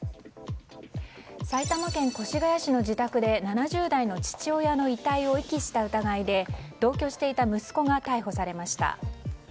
埼玉県越谷市の自宅で７０代の父親の遺体を遺棄した疑いで同居していた息子が逮捕されました。